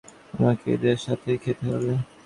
আমাকে এদের সাথেই খেতে হবে।